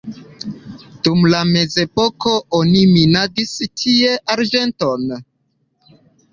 Dum la mezepoko oni minadis tie arĝenton.